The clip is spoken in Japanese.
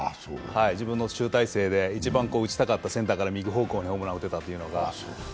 自分の集大成で一番打ちたかったセンターから右方向にホームランを打てたというのが。